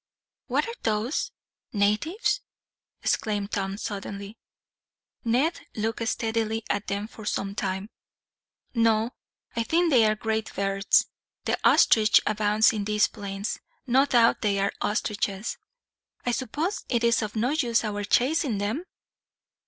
"What are those natives?" exclaimed Tom suddenly. Ned looked steadily at them for some time. "No, I think they are great birds. The ostrich abounds in these plains; no doubt they are ostriches." "I suppose it is of no use our chasing them?"